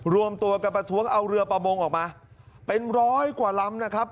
รวมตัวกันประท้วงเอาเรือประมงออกมาเป็นร้อยกว่าลำนะครับ